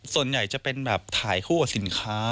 ส่วนใหญ่จะเป็นแบบถ่ายคู่กับสินค้า